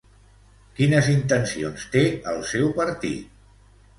Quines intencions té el seu partit?